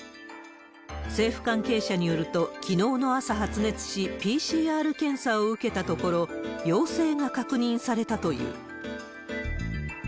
政府関係者によると、きのうの朝、発熱し、ＰＣＲ検査を受けたところ、陽性が確認されたという。